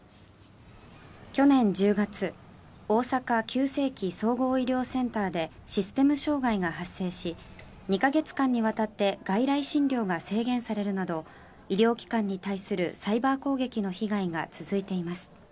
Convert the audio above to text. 去年１０月大阪急性期・総合医療センターでシステム障害が発生し２か月間にわたって外来診療が制限されるなど医療機関に対するサイバー攻撃の被害が続いています。